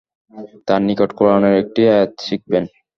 তার নিকট কুরআনের একটি আয়াত শিখবেন।